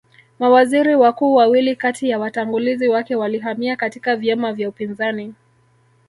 Mawaziri wakuu wawili kati ya watangulizi wake walihamia katika vyama vya upinzani